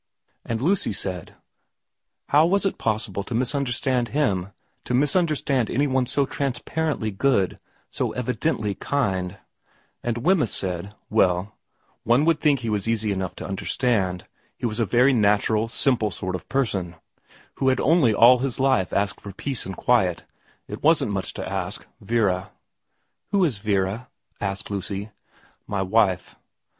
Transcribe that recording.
And Lucy said, How was it possible to misunderstand him, to misunderstand any one so transparently good, so evidently kind ? 28 VERA 1:1 And Wemyss said, Yes, one would think he was easy enough to understand ; he was a very natural, simple sort of person, who had only all his life asked for peace and quiet. It wasn't much to ask. Vera ' Who is Vera ?' asked Lucy. ' My wife.'